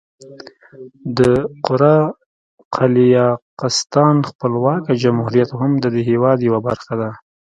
د قره قالیاقستان خپلواکه جمهوریت هم د دې هېواد یوه برخه ده.